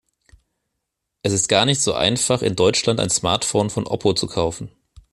Es ist gar nicht so einfach in Deutschland ein Smartphone von Oppo zu kaufen.